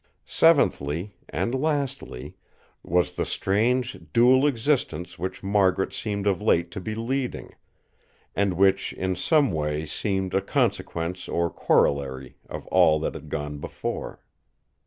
Seventhly, and lastly, was the strange dual existence which Margaret seemed of late to be leading; and which in some way seemed a consequence or corollary of all that had gone before.